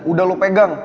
udah lo pegang